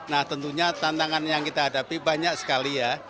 nah tentunya tantangan yang kita hadapi banyak sekali ya